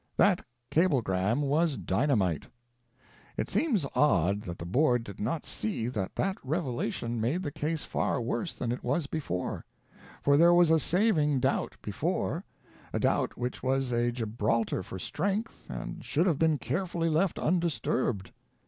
That cablegram was dynamite. It seems odd that the Board did not see that that revelation made the case far worse than it was before ; for there was a saving doubt, before — a doubt which was a Gibraltar for strength, and should have been carefully left undisturbed.